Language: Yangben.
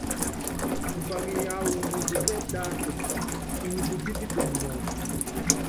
Mfaka yawu nyi kutɛ́ tásɛ, inyi kutípitɛn mɔɔnd.